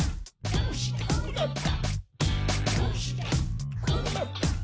どうしてこうなった？」